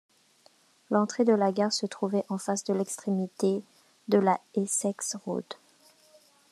L'entrée de la gare se trouvait en face de l'extrémité de la Essex Road.